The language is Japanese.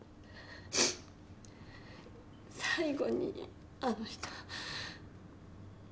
最後にあの人。